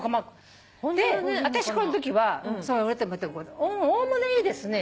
で私このときはおおむねいいですね。